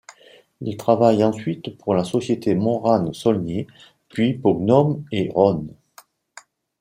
Il travaille ensuite pour la société Morane-Saulnier, puis pour Gnome et Rhône.